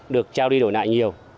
được trao đi đổi nại nhiều